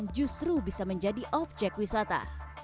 justru bisa menjadi objek wisata